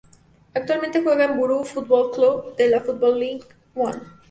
Actualmente juega en el Bury Football Club de la Football League One.